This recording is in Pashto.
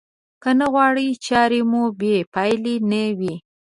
که نه غواړئ چارې مو بې پايلې نه وي.